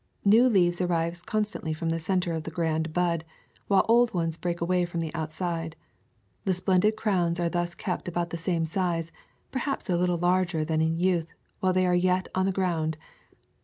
New leaves arise constantly from the center of the grand bud, while old ones break away from the outside. The splendid crowns are. thus kept about the same size, perhaps a little larger than in youth while they are yet on the ground.